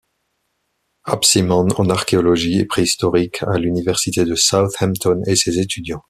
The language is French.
ApSimon, en archéologie préhistorique à l'Université de Southampton et ses étudiants.